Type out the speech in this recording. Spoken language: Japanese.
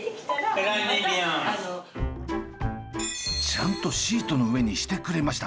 ちゃんとシートの上にしてくれました！